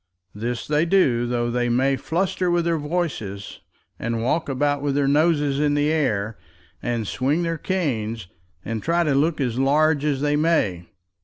This they do, though they may fluster with their voices, and walk about with their noses in the air, and swing their canes, and try to look as large as they may.